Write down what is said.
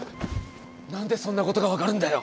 何でそんなことが分かるんだよ。